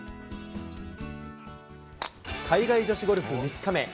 海外女子ゴルフ３日目。